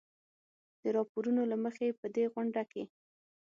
د راپورونو له مخې په دې غونډه کې